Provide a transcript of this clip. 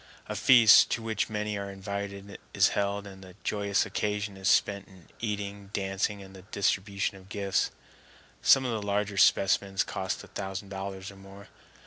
A feast, to which many are invited, is held, and the joyous occasion is spent in eating, dancing, and the distribution of gifts. Some of the larger specimens cost a thousand dollars or more.